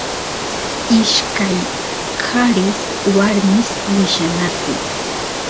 ishkay qaris warmis willanakuy